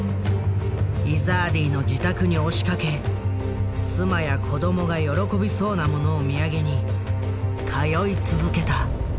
イザーディの自宅に押しかけ妻や子供が喜びそうなものを土産に通い続けた。